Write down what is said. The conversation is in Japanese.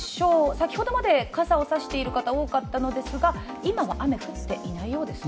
先ほどまで傘を差している方、多かったんですが、今は雨、降っていないようですね。